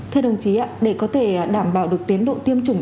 thưa đồng chí để có thể đảm bảo được tiến độ tiêm chủng